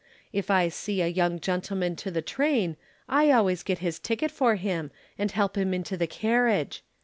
If I see a young gentleman to the train, I always get his ticket for him and help him into the carriage.